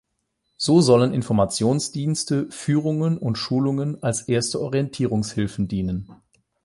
So sollen Informationsdienste, Führungen und Schulungen als erste Orientierungshilfen dienen.